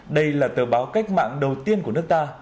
đây là tờ báo cách mạng đầu tiên của nước ta